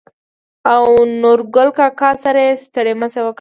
او نورګل کاکا سره يې ستړي مشې وکړه.